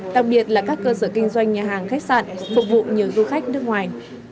đặc biệt là các cơ sở kinh doanh nhà hàng khách sạn phục vụ nhiều du khách nước ngoài